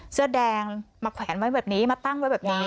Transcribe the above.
เสื้อแดงมาแขวนไว้แบบนี้มาตั้งไว้แบบนี้